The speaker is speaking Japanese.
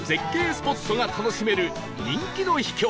スポットが楽しめる人気の秘境